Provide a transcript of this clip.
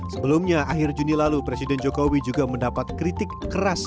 sebelumnya akhir juni lalu presiden jokowi juga mendapat kritik keras